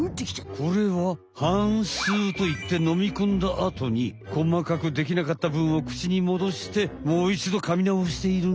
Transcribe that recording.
これははんすうといって飲みこんだあとにこまかくできなかったぶんを口に戻してもういちど噛みなおしているのよ。